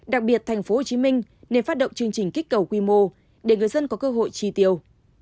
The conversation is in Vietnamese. đặc biệt tp hcm nên phát động chương trình kích cầu quy mô để người dân có cơ hội tri tiêu